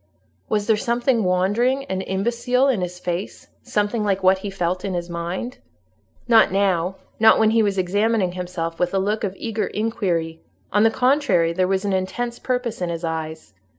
Was there something wandering and imbecile in his face—something like what he felt in his mind? Not now; not when he was examining himself with a look of eager inquiry: on the contrary, there was an intense purpose in his eyes.